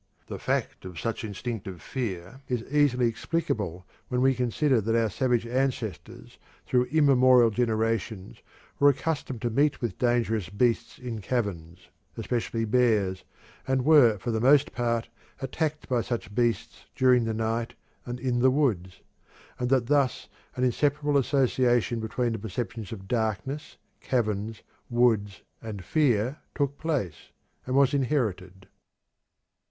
The fact of such instinctive fear is easily explicable when we consider that our savage ancestors through immemorable generations were accustomed to meet with dangerous beasts in caverns, especially bears, and were for the most part attacked by such beasts during the night and in the woods, and that thus an inseparable association between the perceptions of darkness, caverns, woods, and fear took place, and was inherited."